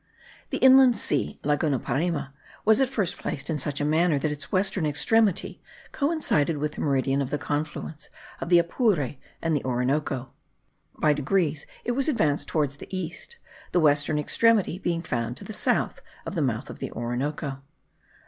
The inland sea (Laguna Parime) was at first placed in such a manner that its western extremity coincided with the meridian of the confluence of the Apure and the Orinoco. By degrees it was advanced toward the east,* the western extremity being found to the south of the mouth of the Orinoco.